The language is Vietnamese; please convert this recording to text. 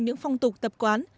những phong tục tập quán